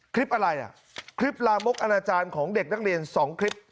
คลิปอะไรอ่ะคลิปลามกอนาจารย์ของเด็กนักเรียน๒คลิป